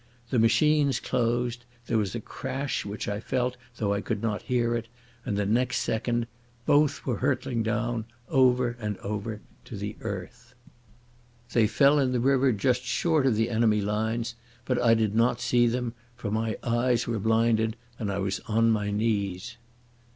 The machines closed, there was a crash which I felt though I could not hear it, and next second both were hurtling down, over and over, to the earth. They fell in the river just short of the enemy lines, but I did not see them, for my eyes were blinded and I was on my knees.